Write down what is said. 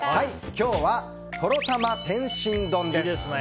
今日は、とろたま天津丼です。